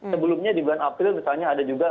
sebelumnya di bulan april misalnya ada juga